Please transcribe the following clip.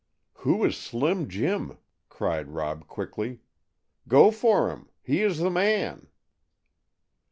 "Who is Slim Jim?" cried Rob quickly. "Go for him; he is the man!"